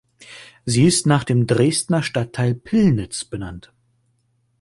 Sie ist nach dem Dresdner Stadtteil Pillnitz benannt.